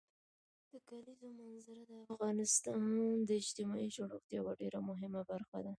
د کلیزو منظره د افغانستان د اجتماعي جوړښت یوه ډېره مهمه برخه ده.